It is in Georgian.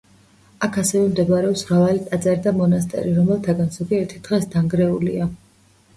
აქ ასევე მდებარეობს მრავალი ტაძარი და მონასტერი, რომელთაგან ზოგიერთი დღეს დანგრეულია.